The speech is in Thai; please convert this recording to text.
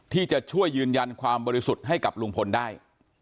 ที่จะช่วยยืนยันความบริสุทธิ์ให้กับลุงพลได้